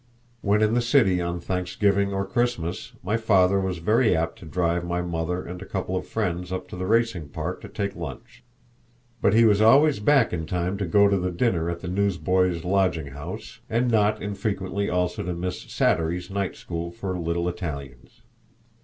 When in the city on Thanksgiving or Christmas, my father was very apt to drive my mother and a couple of friends up to the racing park to take lunch. But he was always back in time to go to the dinner at the Newsboys' Lodging House, and not infrequently also to Miss Sattery's Night School for little Italians.